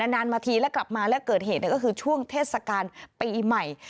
นานมาทีและกลับมาแล้วเกิดเหตุก็คือช่วงเทศกาลปีใหม่